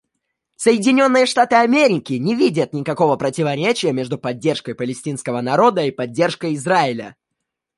Соединенные Штаты Америки не видят никакого противоречия между поддержкой палестинского народа и поддержкой Израиля.